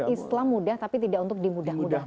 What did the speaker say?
islam mudah tapi tidak untuk dimudah mudahkan